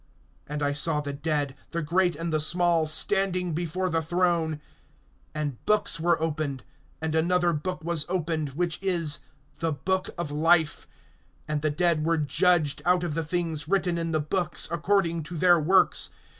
(12)And I saw the dead, the great and the small, standing before the throne. And books were opened; and another book was opened, which is [the book] of life; and the dead were judged out of the things written in the books, according to their works.